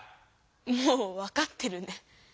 もう分かってるね。